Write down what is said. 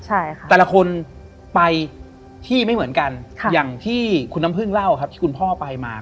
ใช่ค่ะแต่ละคนไปที่ไม่เหมือนกันค่ะอย่างที่คุณน้ำพึ่งเล่าครับที่คุณพ่อไปมา